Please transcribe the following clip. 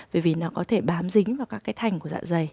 bởi vì nó có thể bám dính vào các cái thành của dạ dày